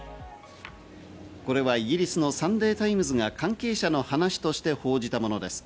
これはイギリスのサンデー・タイムズが関係者の話として報じたものです。